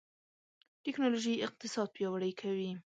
ټکنالوژي اقتصاد پیاوړی کوي.